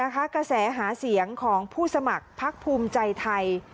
กระแสหาเสียงของผู้สมัครพักภูมิใจไทย